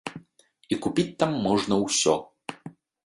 І купіць там можна ўсё.